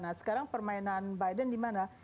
nah sekarang permainan biden dimana